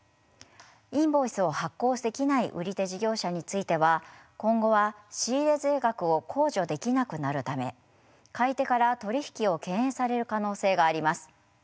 インボイスを発行できない売り手事業者については今後は仕入れ税額を控除できなくなるため買い手から取り引きを敬遠される可能性があります。